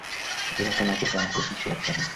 এটি রচনা ও পরিচালনা করেছেন শিহাব শাহীন।